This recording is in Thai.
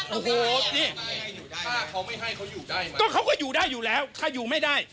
โอ้โหนี่ถ้าเขาไม่ให้เขาอยู่ได้ไหมก็เขาก็อยู่ได้อยู่แล้วถ้าอยู่ไม่ได้